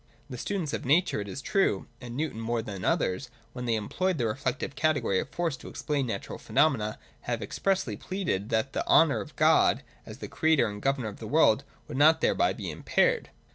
The students of nature, it is true, and Newton more than others, when they employed the reflective category of force to explain natural pheno mena, have expressly pleaded that the honour of God, as the Creator and Governor of the world, would not thereby be impaired.